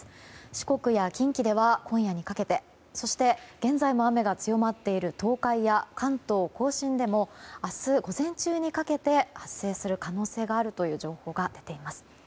四国や近畿では今夜にかけてそして、現在も雨が強まっている東海や関東・甲信でも明日午前中にかけて発生する可能性があるという情報が出ています。